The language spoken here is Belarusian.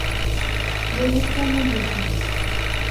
Бо жыцця не будзе!